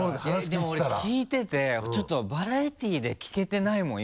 でも俺聞いててちょっとバラエティーで聞けてないもん